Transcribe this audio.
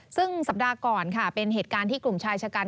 ซึ่งสัปดาห์ก่อนค่ะเป็นเหตุการณ์ที่กลุ่มชายชะกัน